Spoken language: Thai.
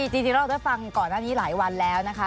จริงเราได้ฟังก่อนหน้านี้หลายวันแล้วนะคะ